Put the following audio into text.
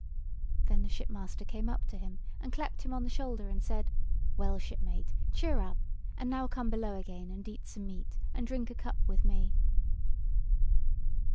Then the shipmaster came up to him and clapped him on the shoulder and said: "Well, shipmate, cheer up! and now come below again and eat some meat, and drink a cup with me."